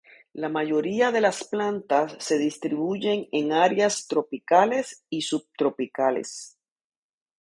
La mayoría de las plantas se distribuyen en áreas tropicales o subtropicales.